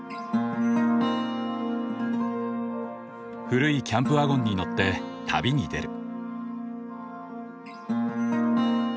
古いキャンプワゴンに乗って旅に出る。